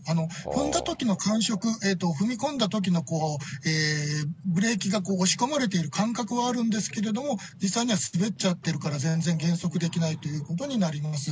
踏んだときの感触、踏み込んだときのブレーキが押し込まれている感覚はあるんですけれども、実際には滑っちゃってるから全然減速できないということになります。